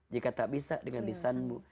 jika tak bisa dengan lisanmu